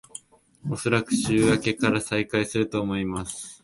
おそらく週明けから再開すると思います